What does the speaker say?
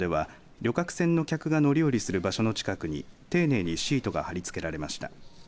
旅客船の客が乗り降りする場所の近くに丁寧にシートが貼り付けられました。